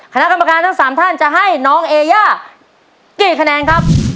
คณะกรรมการทั้ง๓ท่านจะให้น้องเอย่ากี่คะแนนครับ